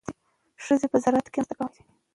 ښځې په زراعت کې هم مرسته کولی شي.